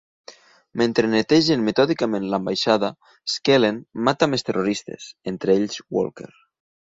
Mentre netegen metòdicament l'ambaixada, Skellen mata més terroristes, entre ells Walker.